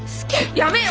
やめよ！